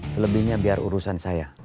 selebihnya biar urusan saya